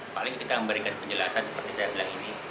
paling kita memberikan penjelasan seperti saya bilang ini